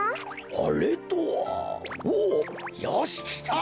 あれとはおおよしきた！